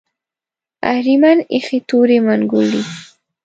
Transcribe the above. اهریمن ایښې تورې منګولې